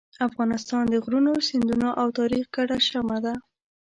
افغانستان د غرونو، سیندونو او تاریخ ګډه شمع ده.